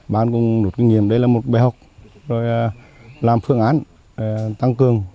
ban cũng rút kinh nghiệm đây là một bài học rồi làm phương án tăng cường